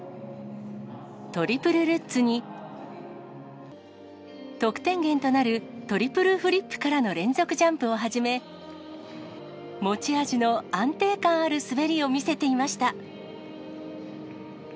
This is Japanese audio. トリプルルッツに、得点源となるトリプルフリップからの連続ジャンプをはじめ、持ち味の安定感ある滑りを見せていました。